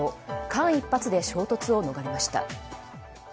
間一髪で衝突を逃れました。